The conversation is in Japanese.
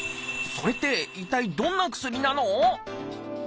それって一体どんな薬なの？